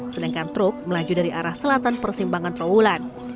sedangkan truk melaju dari arah selatan persimpangan trawulan